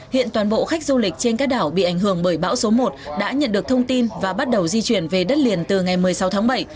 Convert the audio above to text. hiện toàn bộ khách du lịch trên các đảo bị ảnh hưởng bởi bão số một đã nhận được thông tin và bắt đầu di chuyển về đất liền từ ngày một mươi sáu tháng bảy